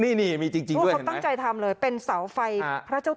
นี่มีจริงด้วยฟัไม้พ้นทะเูและบาทพี่บรรพาค